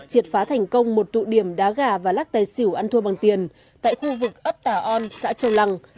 triệt phá thành công một tụ điểm đá gà và lắc tài xỉu ăn thua bằng tiền tại khu vực ấp tà on xã châu lăng